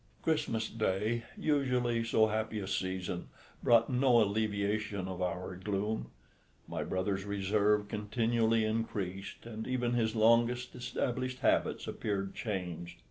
Christmas Day, usually so happy a season, brought no alleviation of our gloom. My brother's reserve continually increased, and even his longest established habits appeared changed.